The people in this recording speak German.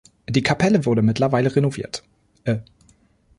Die Kapelle wurde mittlerweile renovierte.